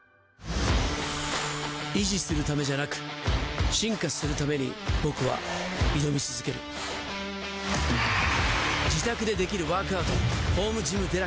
維持するためじゃなく進化するために僕は挑み続ける自宅でできるワークアウト「ホームジムＤＸ」